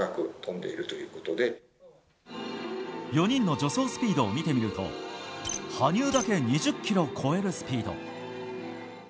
４人の助走スピードを見てみると羽生だけ２０キロを超えるスピード。